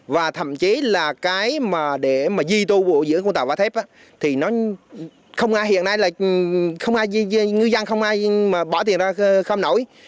và thậm chí là cái mà để mà di tô bộ giữa con tàu vỏ thép thì nó không ai hiện nay là không ai như dân không ai mà bỏ tiền ra khăm nổi